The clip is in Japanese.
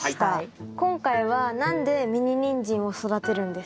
今回は何でミニニンジンを育てるんですか？